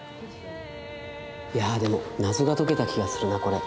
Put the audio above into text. いやぁでも謎が解けた気がするなこれ。